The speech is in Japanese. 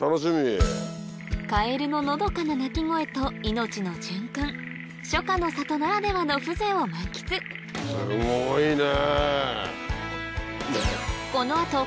カエルののどかな鳴き声と命の循環初夏の里ならではの風情を満喫今ね。